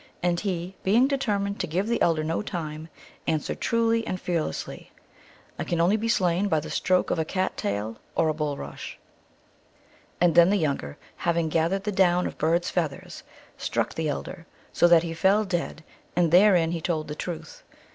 And he, being determined to give the elder no time, answered truly and fearlessly, " I can only be slain by the stroke of a cat tail or bulrush." And then the younger, having gathered the down of bird s feathers, struck the elder, so that he fell dead, and therein he told the truth.